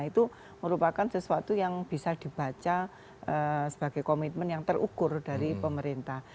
itu merupakan sesuatu yang bisa dibaca sebagai komitmen yang terukur dari pemerintah